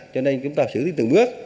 cho nên chúng ta xử lý từng bước